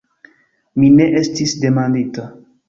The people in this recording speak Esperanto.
Mi ne estis demandita.